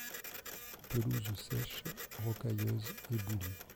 Pelouses sèches, rocailleuses, éboulis.